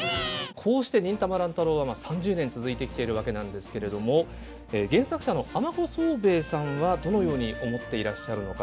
こうして「忍たま乱太郎」は３０年続いてきているわけなんですけれども原作者の尼子騒兵衛さんはどのように思っていらっしゃるのか。